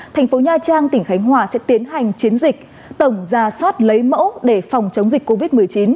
thành phố nha trang tỉnh khánh hòa sẽ tiến hành chiến dịch tổng ra soát lấy mẫu để phòng chống dịch covid một mươi chín